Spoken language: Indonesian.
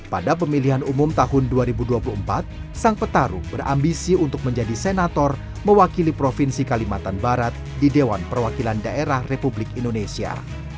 pada pemilihan umum tahun dua ribu dua puluh empat sang petarung berambisi untuk menjadi senator mewakili provinsi kalimantan barat di dewan perwakilan daerah republik indonesia